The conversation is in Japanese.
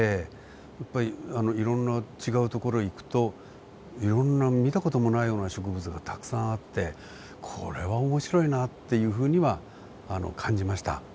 やっぱりいろんな違う所へ行くといろんな見た事もないような植物がたくさんあってこれは面白いなっていうふうには感じました。